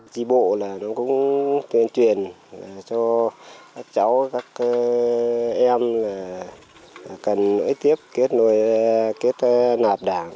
trí bộ là nó cũng tuyên truyền cho các cháu các em là cần nỗi tiếc kết nội kết nạp đảng